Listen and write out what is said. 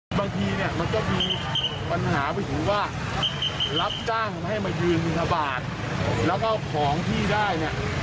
ข้อมูลแล้วก็ก็ส่องหาข้อมูลแล้วก็นำไปอันดับแรกเป็นต้นทั่วใหญ่